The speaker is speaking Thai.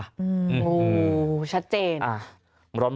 โหชัดเจน